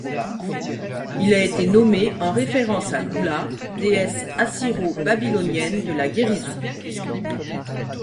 Il a été nommé en référence à Gula, déesse assyro-babylonienne de la guérison.